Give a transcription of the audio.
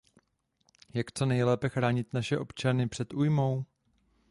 Jak co nejlépe chránit naše občany před újmou?